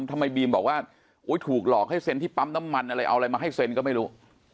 ทำไมบีมบอกว่าถูกหลอกให้เซ็นที่ปั๊มน้ำมันอะไรเอาอะไรมาให้เซ็นก็ไม่รู้